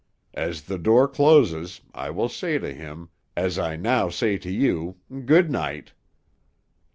As the door closes, I will say to him, as I now say to you, Good night."